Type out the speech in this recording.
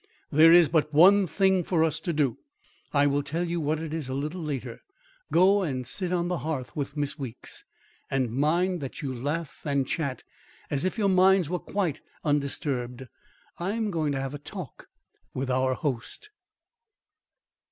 "There is but one thing for us to do. I will tell you what it is a little later. Go and sit on the hearth with Miss Weeks, and mind that you laugh and chat as if your minds were quite undisturbed. I am going to have a talk with our host."